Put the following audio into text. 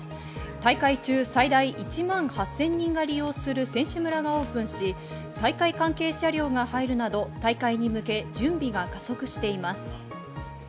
大会中、最大１万８０００人が利用する選手村がオープンし、大会関係車両が入るなど大会に向け、準備が加速しています。